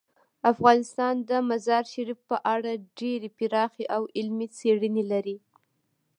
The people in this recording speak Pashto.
افغانستان د مزارشریف په اړه ډیرې پراخې او علمي څېړنې لري.